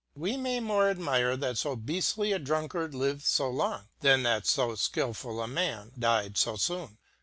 We may more admire that fo beaftly a drunkard lived lb long, then that fo skilful! a man died fo loon.